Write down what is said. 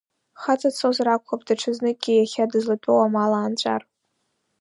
Хаҵа дцозар акәхап даҽазныкгьы иахьа дызлатәоу амал аанҵәар.